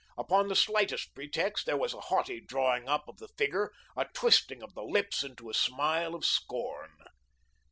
Upon the slightest pretext there was a haughty drawing up of the figure, a twisting of the lips into a smile of scorn.